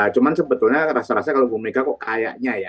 cuman sebetulnya rasa rasa kalau bu mega kok kayaknya ya